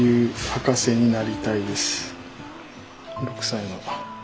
６歳の。